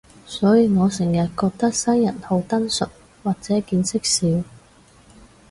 所以我成日覺得西人好單純，或者見識少